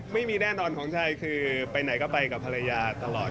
ไม่มีแน่นอนของชายคือไปไหนก็ไปกับภรรยาตลอด